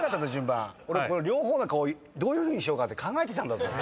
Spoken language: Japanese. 俺両方の顔どういうふうにしようかって考えてたんだぞ。